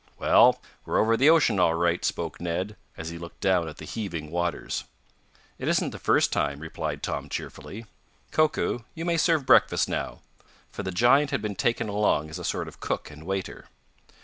"Well, we're over the ocean all right," spoke Ned, as he looked down at the heaving waters. "It isn't the first time," replied Tom cheerfully. "Koku, you may serve breakfast now," for the giant had been taken along as a sort of cook and waiter.